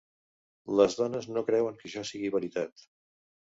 Les dones no creuen que això sigui veritat.